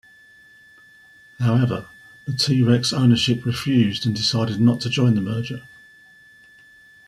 However, the T-Rex ownership refused and decided not to join the merger.